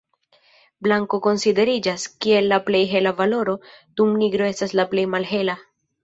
Blanko konsideriĝas, kiel la plej hela valoro, dum nigro estas la plej malhela.